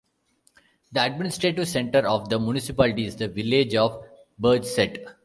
The administrative centre of the municipality is the village of Bergset.